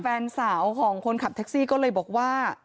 แฟนสาวของคนขับแท็กซี่ก็เลยบอกว่า